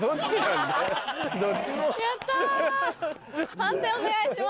判定お願いします。